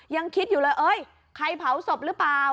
ยังคิดอยู่เลยเอ้ยใครเผาศพหรือเปล่า